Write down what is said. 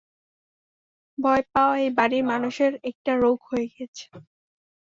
ভয় পাওয়া এই বাড়ির মানুষের একটা রোগ হয়ে গেছে।